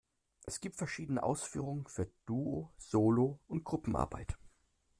Es gibt verschiedene Ausführungen für Duo-, Solo- und Gruppenarbeit.